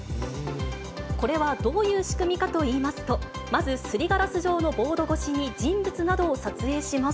これはどういう仕組みかといいますと、まずすりガラス状のボード越しに人物などを撮影します。